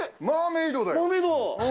マーメイド。